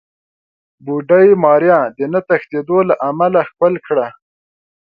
بوډۍ ماريا د نه تښتېدو له امله ښکل کړه.